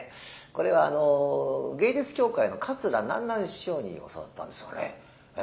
これはあの芸術協会の桂南なん師匠に教わったんですよね。